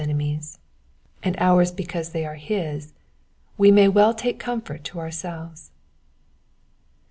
enemies, and ours because they are his, we may well take comfort to our selves.